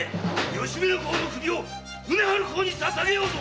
吉宗公の首を宗春公に捧げようぞ！